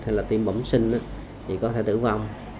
hay là tiêm bổng sinh thì có thể tử vong